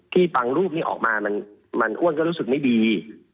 ที่ปังรูปออกมาว่าอ้วนรู้สึกไม่ดี